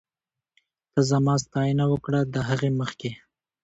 ته زما ستاينه وکړه ، د هغې مخکې